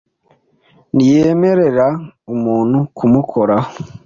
ntiyemerera umuntu kumukoraho.